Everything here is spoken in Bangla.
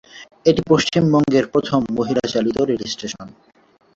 এটি পশ্চিমবঙ্গের প্রথম মহিলা চালিত রেলস্টেশন।